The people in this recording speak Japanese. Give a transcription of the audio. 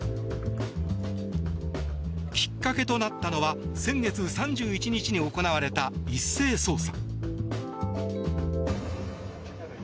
きっかけとなったのは先月３１日に行われた一斉捜査。